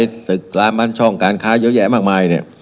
สถิตย์ร้านบ้านช่องการค้าเยอะแยะมากมาย